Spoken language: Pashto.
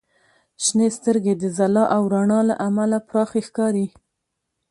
• شنې سترګې د ځلا او رڼا له امله پراخې ښکاري.